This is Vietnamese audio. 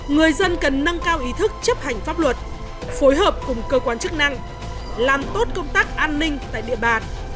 người dân cần nâng cao ý thức chấp hành pháp luật phối hợp cùng cơ quan chức năng làm tốt công tác an ninh tại địa bàn